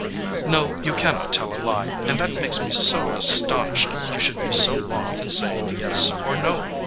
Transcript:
"No, you cannot tell a lie; and that makes me so astonished you should be so long in saying yes or no."